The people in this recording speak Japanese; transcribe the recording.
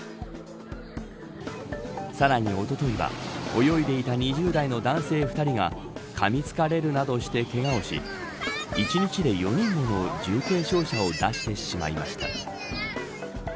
さらに、おとといは泳いでいた２０代の男性２人がかみつかれるなどしてけがをし１日で４人もの重軽傷者を出してしまいました。